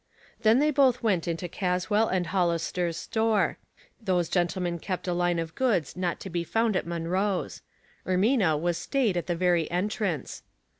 Then they both went into Caswell & Hollis ter's store. Those gentlemen kept a hue of goods not to be found at Munroe's. Ermina was staid at the very entrance.